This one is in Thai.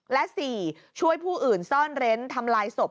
และ๔ช่วยผู้อื่นซ่อนเร้นทำลายศพ